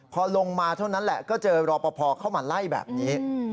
พอลงมาเท่านั้นแหละก็เจอรอปภเข้ามาไล่แบบนี้